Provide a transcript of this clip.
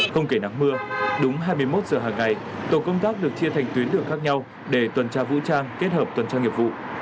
không kể nắng mưa đúng hai mươi một giờ hàng ngày tổ công tác được chia thành tuyến đường khác nhau để tuần tra vũ trang kết hợp tuần tra nghiệp vụ